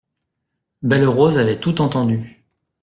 Belle-Rose avait tout entendu.